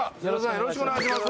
よろしくお願いします